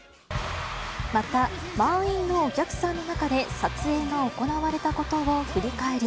また、満員のお客さんの中で撮影が行われたことを振り返り。